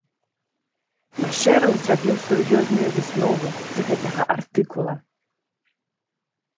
Машэраў зрабіў сур'ёзныя высновы з гэтага артыкула.